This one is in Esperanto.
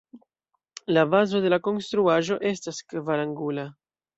La bazo de la konstruaĵo estas kvarangula.